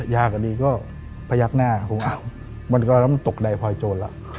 ยากอันนี้ก็พยักหน้ามันก็ตกใดพอยโจรแล้ว